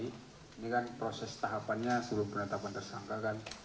ini kan proses tahapannya sebelum penetapan tersangka kan